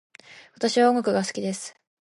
私は音楽が好きです。